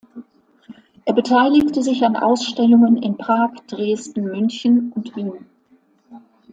Er beteiligte sich an Ausstellungen in Prag, Dresden, München und Wien.